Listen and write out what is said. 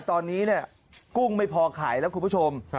ตอนนี้กุ้งไม่พอขายแล้วคุณผู้ชม